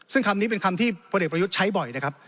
ซึ่งคำนี้เป็นคำที่พลเอกประยุทธ์ใช้บ่อยนะครับ